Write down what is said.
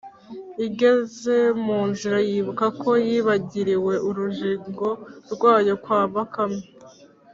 igeze mu nzira yibuka ko yibagiriwe urujigo rwayo kwa bakame